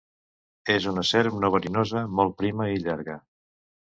És una serp no verinosa, molt prima i llarga.